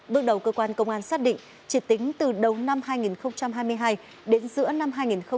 bước đầu cơ quan công an xác định chỉ tính từ đầu năm hai nghìn hai mươi hai đến giữa năm hai nghìn hai mươi ba